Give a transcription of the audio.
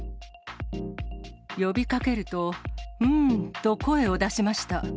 呼びかけると、んーと声を出しました。